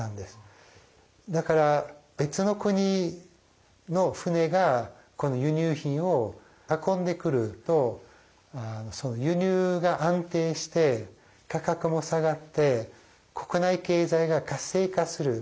だから別の国の船が輸入品を運んでくると輸入が安定して価格も下がって国内経済が活性化する。